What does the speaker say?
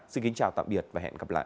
xin kính chào tạm biệt và hẹn gặp lại